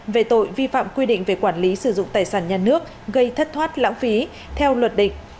về tội vi phạm quy định về quản lý sử dụng tài sản nhà nước gây thất thoát lãng phí theo luật định